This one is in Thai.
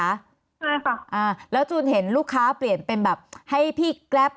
ใช่ค่ะอ่าแล้วจูนเห็นลูกค้าเปลี่ยนเป็นแบบให้พี่แกรป